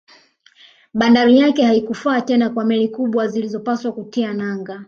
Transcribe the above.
Bandari yake haikufaa tena kwa meli kubwa zilizopaswa kutia nanga